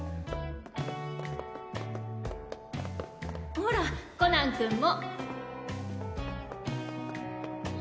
ホラコナン君も！